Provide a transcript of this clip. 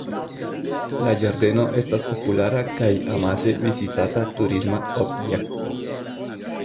La ĝardeno estas populara kaj amase vizitata turisma objekto.